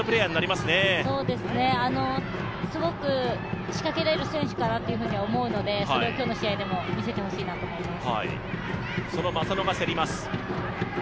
すごく仕掛けられる選手かなと思うので、それを今日の試合でも見せてほしいなと思います。